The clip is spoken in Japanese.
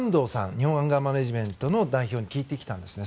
日本アンガーマネジメントの代表に聞いてきたんですね。